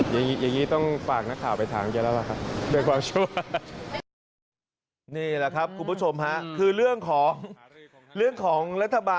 อย่างนี้ต้องฝากนักข่าวไปถามแกแล้วล่ะครับ